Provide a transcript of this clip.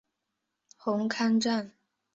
红磡站。